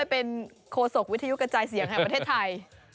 เป็นโคศกวิทยุกระจายเสียงแห่งประเทศไทย